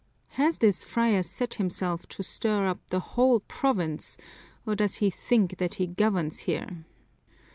Has this friar set himself to stir up the whole province or does he think that he governs here?